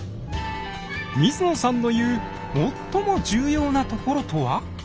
水野さんの言う「最も重要なところ」とは？